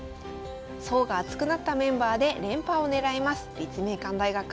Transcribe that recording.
層が厚くなったメンバーで連覇をねらいます立命館大学。